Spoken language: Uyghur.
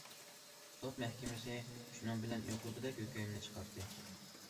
سوت مەھكىمىسى شۇنىڭ بىلەن يۇقىرىقىدەك ھۆكۈمنى چىقاردى.